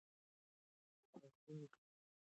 د پارکونو ښکلا وساتئ.